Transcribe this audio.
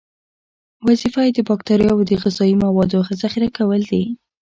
وظیفه یې د باکتریاوو د غذایي موادو ذخیره کول دي.